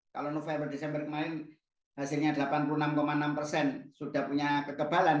kalau november desember kemarin hasilnya delapan puluh enam enam persen sudah punya kekebalan